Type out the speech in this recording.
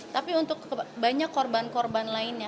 tapi untuk banyak korban korban lainnya